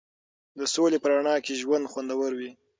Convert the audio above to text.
د سولې په رڼا کې ژوند خوندور وي.